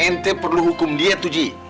nt perlu hukum dia tuh ji